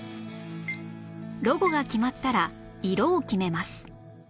ロゴが決まったら色を決めます